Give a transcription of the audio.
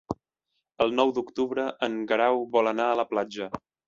El nou d'octubre en Guerau vol anar a la platja.